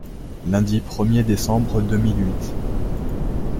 Lundi premier décembre deux mille huit.